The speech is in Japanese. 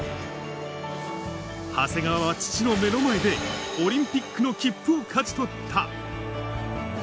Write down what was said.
長谷川は父の目の前でオリンピックの切符を勝ち取った。